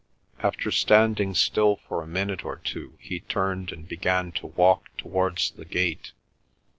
After standing still for a minute or two he turned and began to walk towards the gate.